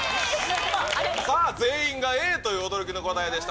全員がＡという驚きの答えでした。